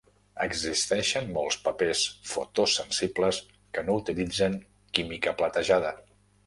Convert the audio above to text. Existeixen molts papers fotosensibles que no utilitzen química platejada.